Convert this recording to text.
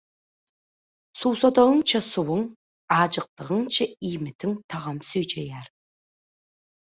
Suwsadygyňça suwuň, ajykdygyňça iýmitiň tagamy süýjeýär.